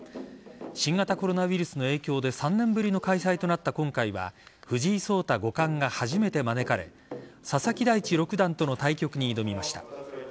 新型コロナウイルスの影響で３年ぶりの開催となった今回は藤井聡太五冠が初めて招かれ佐々木大地六段との対局に挑みました。